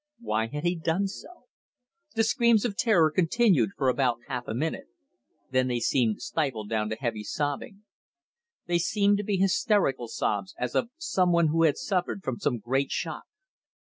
Why had he done so? The screams of terror continued for about half a minute. Then they seemed stifled down to heavy sobbing. They seemed to be hysterical sobs, as of someone who had suffered from some great shock.